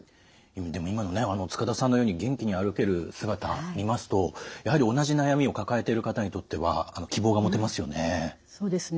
でも今のね塚田さんのように元気に歩ける姿見ますとやはり同じ悩みを抱えてる方にとっては希望が持てますよね。